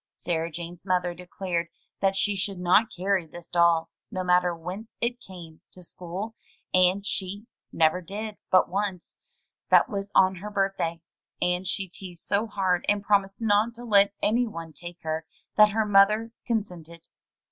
Sarah Jane's mother declared that she should not carry this doll, no matter whence it came, to school, and she never did but once — that was on her birthday, and she teased so hard, and promised not to let any one take her, that her mother con sented.